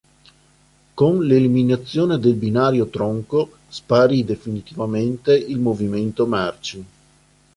Con l'eliminazione del binario tronco, sparì definitivamente il movimento merci.